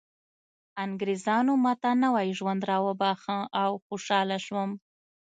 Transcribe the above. انګریزانو ماته نوی ژوند راوباښه او خوشحاله شوم